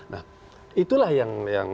nah itulah yang